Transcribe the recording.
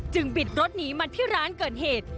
บิดรถหนีมาที่ร้านเกิดเหตุ